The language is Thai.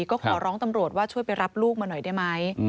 ก็ขอร้องตำรวจว่าช่วยไปรับลูกมาหน่อยได้ไหม